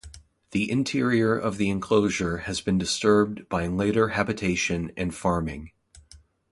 The interior of the enclosure has been disturbed by later habitation and farming.